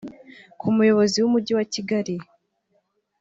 Ku muyobozi w’Umujyi wa Kigali